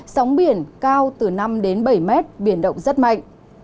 sóng biển cao từ năm đến bảy mét biển động rất mạnh